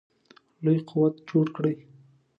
لوی قوت جوړ کړي.